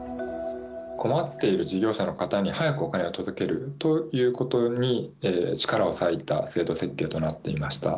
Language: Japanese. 困っている事業者の方に早くお金を届けるということに力を割いた制度設計となっていました。